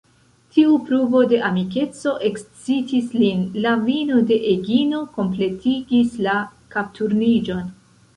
Tiu pruvo de amikeco ekscitis lin: la vino de Egino kompletigis la kapturniĝon.